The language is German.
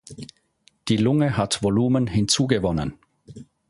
Die Lunge hat Volumen hinzugewonnen.